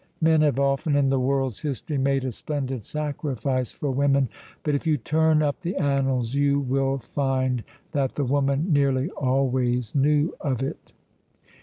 Men have often in the world's history made a splendid sacrifice for women, but if you turn up the annals you will find that the woman nearly always knew of it.